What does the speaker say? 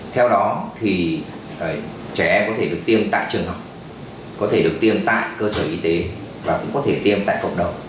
theo đó thì trẻ em có thể được tiêm tại trường học có thể được tiêm tại cơ sở y tế và cũng có thể tiêm tại cộng đồng